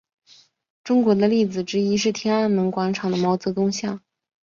中国的例子之一是天安门广场的毛泽东像。